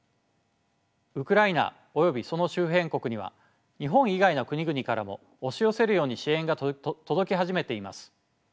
ウクライナおよびその周辺国には日本以外の国々からも押し寄せるように支援が届き始めています。